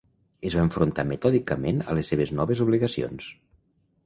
Es va enfrontar metòdicament a les seves noves obligacions.